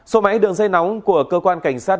số máy đường dây nóng của cơ quan cảnh sát